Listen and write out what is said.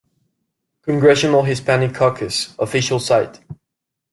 Congressional Hispanic Caucus: official site.